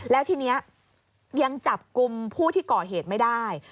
แล้วทีนี้ยังจับกลุ่มผู้ที่ก่อเหตุไม่ได้